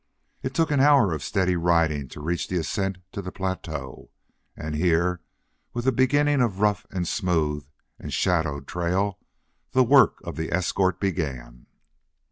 It took an hour of steady riding to reach the ascent to the plateau, and here, with the beginning of rough and smooth and shadowed trail, the work of the escort began.